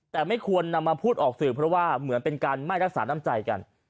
แต่ไม่ควรนำมาพูดออกสื่อเพราะว่าเหมือนเป็นการไม่รักษาน้ำใจกัน